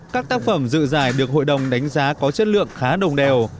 các tác phẩm dự giải được hội đồng đánh giá có chất lượng khá đồng đều